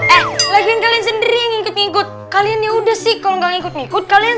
eh kalian sendiri ngikut ngikut kalian ya udah sih kalau nggak ngikut ngikut kalian